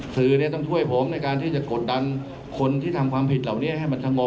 สื่อต้องช่วยผมในการที่จะกดดันคนที่ทำความผิดเหล่านี้ให้มันสงบ